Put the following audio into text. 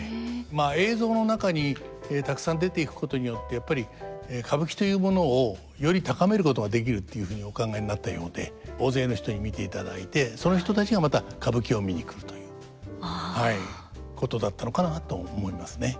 まあ映像の中にたくさん出ていくことによってやっぱり歌舞伎というものをより高めることができるっていうふうにお考えになったようで大勢の人に見ていただいてその人たちがまた歌舞伎を見に来るということだったのかなと思いますね。